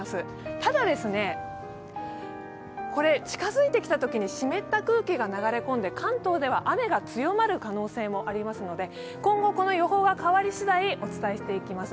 ただ、これ、近づいてきたときに湿った空気が流れ込んで関東では雨が強まる可能性がありますので今後、この予報が変わり次第お伝えしていきます。